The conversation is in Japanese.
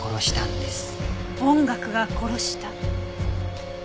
音楽が殺した？